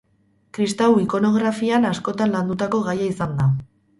Kristau ikonografian askotan landutako gaia izan da.